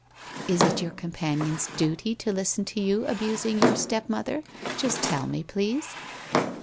1 Is it your companion's duty to listen to you abusing your step mother, just tell me, please?'